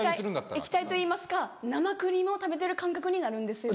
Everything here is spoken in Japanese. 液体といいますか生クリームを食べてる感覚になるんですよ。